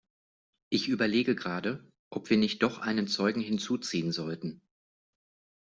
Ich überlege gerade, ob wir nicht doch einen Zeugen hinzuziehen sollten.